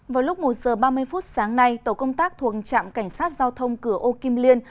vào lúc một giờ ba mươi phút sáng nay tàu công tác thuận trạm cảnh sát giao thông cửa âu kim liên